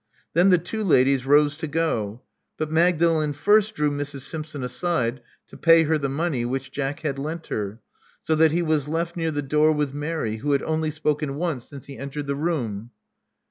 Then the two ladies rose to go. But Mag dalen first drew Mrs. Simpson aside to pay her the money which Jack had lent her; so that he was left near the door with Mary, who had only spoken once since he entered the room.